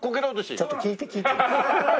ちょっと聞いて聞いて。